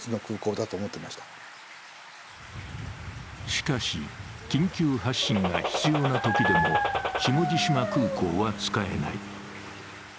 しかし、緊急発進が必要なときでも下地島空港は使えない。